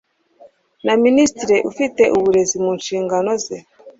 na Minisitiri ufite uburezi mu nshingano ze